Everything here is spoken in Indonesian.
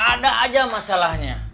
ada aja masalahnya